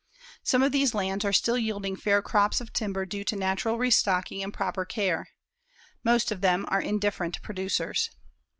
Some of these lands still are yielding fair crops of timber due to natural restocking and proper care. Most of them are indifferent producers.